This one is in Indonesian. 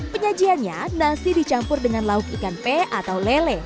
penyajiannya nasi dicampur dengan lauk ikan pe atau lele